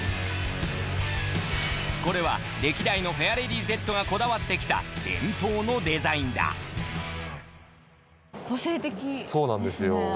これは歴代のフェアレディＺがこだわってきた伝統のデザインだそうなんですよ。